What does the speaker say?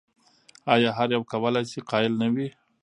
ایا هر یو کولای شي قایل نه وي؟